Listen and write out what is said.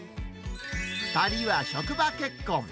２人は職場結婚。